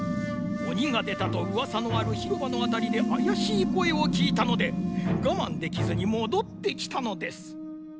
おにがでたとうわさのあるひろばのあたりであやしいこえをきいたのでがまんできずにもどってきたのです。